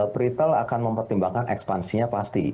peritel akan mempertimbangkan ekspansinya pasti